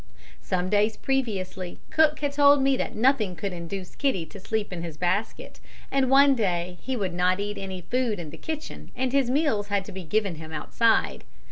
Some days previously cook had told me that nothing could induce Kitty to sleep in his basket, and one day he would not eat any food in the kitchen, and his meals had to be given him outside.